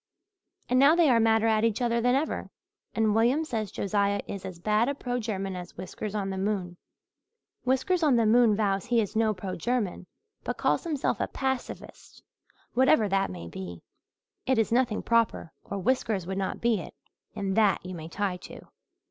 And now they are madder at each other than ever and William says Josiah is as bad a pro German as Whiskers on the Moon. Whiskers on the moon vows he is no pro German but calls himself a pacifist, whatever that may be. It is nothing proper or Whiskers would not be it and that you may tie to.